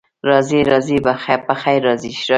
راځئ، راځئ، پخیر راشئ.